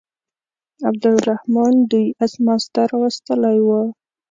عبدالرحمن دوی اسماس ته راوستلي وه.